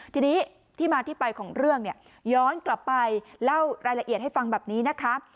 ทีนี้ที่มาที่ไปของเรื่องเนี่ยย้อนกลับไปเล่ารายละเอียดให้ฟังแบบนี้นะคะ